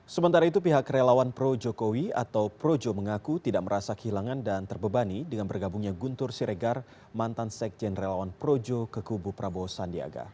sementara itu pihak relawan pro jokowi atau projo mengaku tidak merasa kehilangan dan terbebani dengan bergabungnya guntur siregar mantan sekjen relawan projo ke kubu prabowo sandiaga